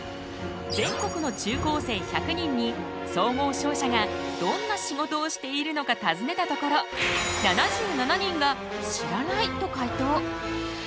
全国の中高生１００人に総合商社がどんな仕事をしているのかたずねたところ７７人が知らないと回答。